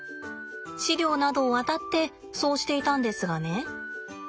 資料などをあたってそうしていたんですがね